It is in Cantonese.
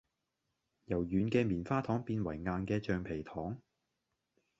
由軟嘅棉花糖變為硬嘅橡皮糖